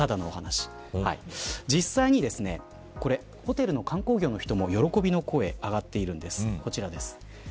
実際にホテルの観光業の人も喜びの声が上がっているんです。